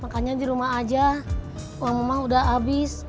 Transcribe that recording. makannya di rumah aja uang emang udah abis